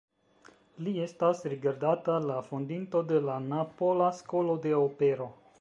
Li estas rigardata la fondinto de la napola skolo de opero.